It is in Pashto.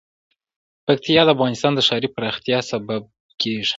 پکتیکا د افغانستان د ښاري پراختیا سبب کېږي.